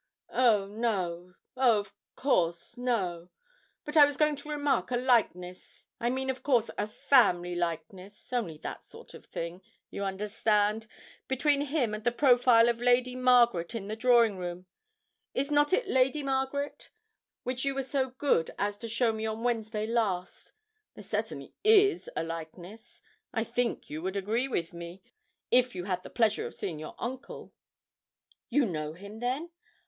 'Oh, no, of course, no; but I was going to remark a likeness I mean, of course, a family likeness only that sort of thing you understand between him and the profile of Lady Margaret in the drawing room is not it Lady Margaret? which you were so good as to show me on Wednesday last. There certainly is a likeness. I think you would agree with me, if you had the pleasure of seeing your uncle.' 'You know him, then?